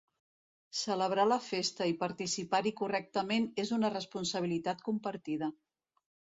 Celebrar la festa i participar-hi correctament és una responsabilitat compartida.